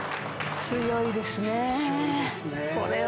強いですね。